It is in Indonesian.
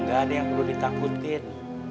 gak ada yang perlu ditakutin